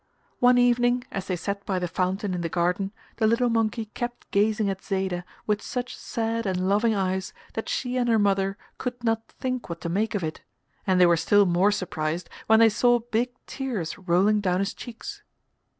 One evening, as they sat by the fountain in the garden, the little monkey kept gazing at Zayda with such sad and loving eyes that she and her mother could not think what to make of it, and they were still more surprised when they saw big tears rolling down his cheeks.